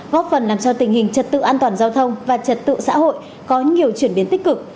góp phần làm cho tình hình trật tự an toàn giao thông và trật tự xã hội có nhiều chuyển biến tích cực